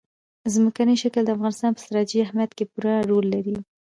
ځمکنی شکل د افغانستان په ستراتیژیک اهمیت کې پوره رول لري.